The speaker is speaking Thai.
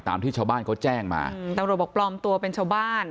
ที่ชาวบ้านเขาแจ้งมาตำรวจบอกปลอมตัวเป็นชาวบ้าน